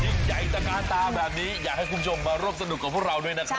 ยิ่งใหญ่ตะกาตาแบบนี้อยากให้คุณผู้ชมมาร่วมสนุกกับพวกเราด้วยนะครับ